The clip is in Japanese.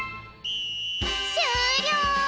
しゅうりょう！